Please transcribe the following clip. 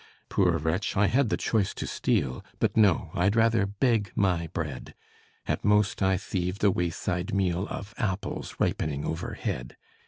Poor wretch, I had the choice to steal; But no, I'd rather beg my bread. At most I thieved a wayside meal Of apples ripening overhead.